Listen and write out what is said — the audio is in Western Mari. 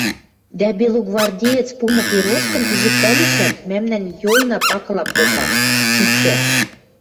дӓ белогвардеец пумы пероскым пижӹктӓлешӓт, мӓмнӓн йойна пакыла попа, чиктӓ.